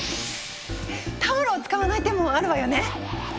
タオルを使わない手もあるわよね！